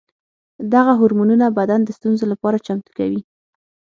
دغه هورمونونه بدن د ستونزو لپاره چمتو کوي.